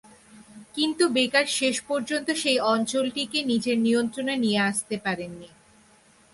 কিন্তু বেকার শেষ পর্যন্ত সেই অঞ্চলটিকে নিজের নিয়ন্ত্রণে নিয়ে আসতে পারেন নি।